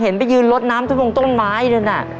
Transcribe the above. เห็นไปยืนรถน้ำทุกวงต้นไม้อยู่ด้วยน่ะ